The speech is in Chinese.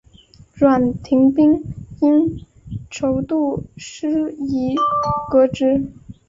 阮廷宾因筹度失宜革职。